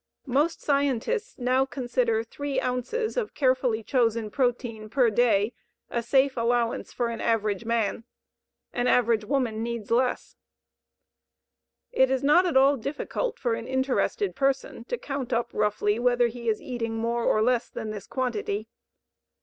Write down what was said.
Most scientists now consider three ounces of carefully chosen protein per day a safe allowance for an average man. An average woman needs less. It is not at all difficult for an interested person to count up roughly whether he is eating more or less than this quantity.